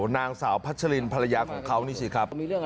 นางสาวพัชลินภรรยาของเขานี่สิครับ